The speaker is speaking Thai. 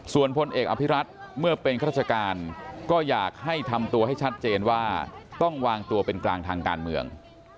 ส่วนพลเอกอภิรัตน์เมื่อเป็นข้าราชการก็อยากให้ทำตัวให้ชัดเจนว่าต้องวางตัวเป็นกลางทางการเมือง